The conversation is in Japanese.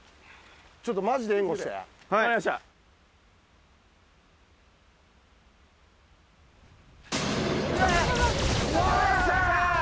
ちょっとマジで援護して分かりましたよっしゃー！